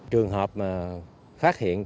trường hợp mà phát hiện